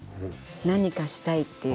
何かしたいって。